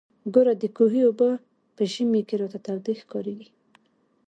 ګوره د کوهي اوبه په ژمي کښې راته تودې ښکارېږي.